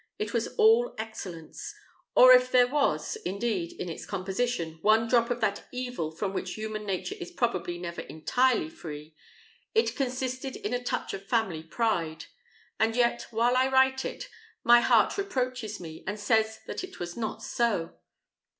It was all excellence; or if there was, indeed, in its composition, one drop of that evil from which human nature is probably never entirely free, it consisted in a touch of family pride and yet, while I write it, my heart reproaches me, and says that it was not so.